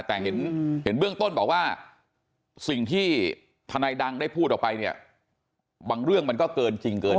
แต่เห็นเบื้องต้นบอกว่าสิ่งที่ทนายดังได้พูดออกไปเนี่ยบางเรื่องมันก็เกินจริงเกิน